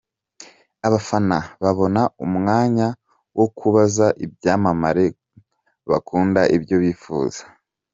Abafana babona umwanya wo kubaza ibyamamare bakunda ibyo bifuza.